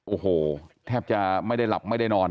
โอ้โหแทบจะไม่ได้หลับไม่ได้นอน